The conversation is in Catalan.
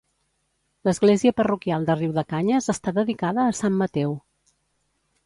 L'església parroquial de Riudecanyes està dedicada a Sant Mateu.